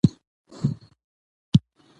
ډېر ارزښت نه لري.